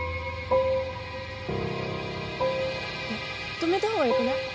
止めたほうがよくない？